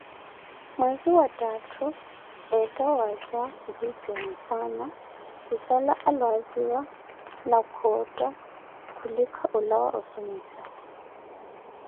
Mweze wa thaathu, eetha waza ohitxonissana, khussala alwaziwa na khootha, khulika ólawa ossomima